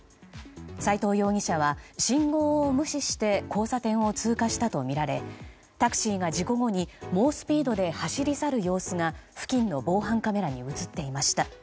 斉藤容疑者は信号を無視して交差点を通過したとみられタクシーが事故後に猛スピードで走り去る様子が付近の防犯カメラに映っていました。